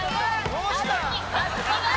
どうした？